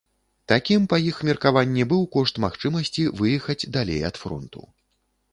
Такім, па іх меркаванні, быў кошт магчымасці выехаць далей ад фронту.